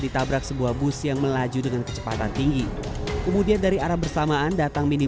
ditabrak sebuah bus yang melaju dengan kecepatan tinggi kemudian dari arah bersamaan datang mini